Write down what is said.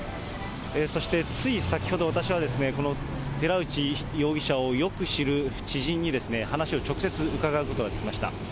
そして、つい先ほど、私は寺内容疑者をよく知る知人に話を直接伺うことができました。